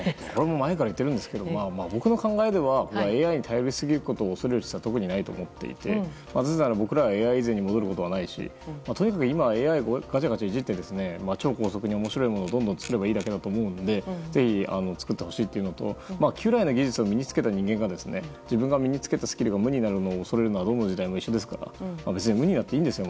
前から言ってるんですけど僕の考えではＡＩに頼りすぎることを恐れる必要はないと思って僕らはＡＩ以前に戻ることはないしとにかく今はＡＩをガチャガチャいじって超高速に面白いものをどんどん作ればいいだけですのでぜひ作ってほしいというのと旧来の技術を身に付けた人間が自分の身に付けた技術が無になるのを恐れるのはいつの時代も一緒ですから。